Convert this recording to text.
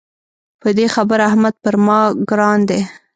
په دې خبره احمد پر ما ګران دی.